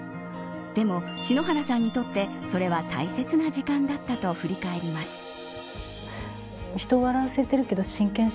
でも、篠原さんにとってそれは大切な時間だったと振り返ります。